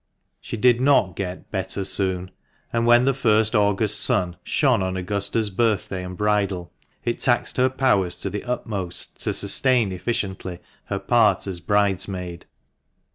She did not get "better soon," and when the first August sun shone on Augusta's birthday and bridal, it taxed her powers to the utmost to sustain efficiently her part as bridesmaid.